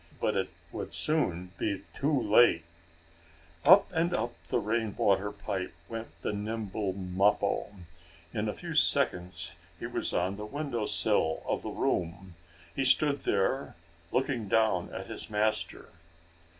But it would soon be too late. Up and up the rain water pipe went the nimble Mappo. In a few seconds he was on the window sill of the room. He stood there, looking down at his master.